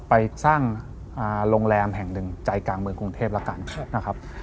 ไปสร้างโรงแรมแห่งหนึ่งใจกลางเมืองกรุงเทพแล้วกันนะครับ